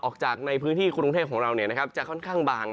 ออกจากในพื้นที่กรุงเทพของเราจะค่อนข้างบาง